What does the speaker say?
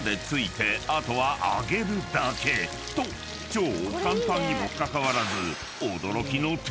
超簡単にもかかわらず］